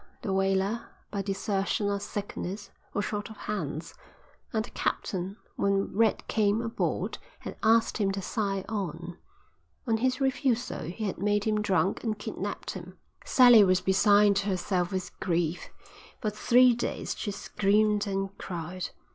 The whaler, by desertion or sickness, was short of hands, and the captain when Red came aboard had asked him to sign on; on his refusal he had made him drunk and kidnapped him." "Sally was beside herself with grief. For three days she screamed and cried.